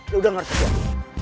lu udah ngerti gak